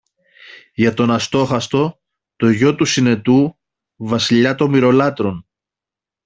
για τον Αστόχαστο, το γιο του Συνετού, Βασιλιά των Μοιρολάτρων.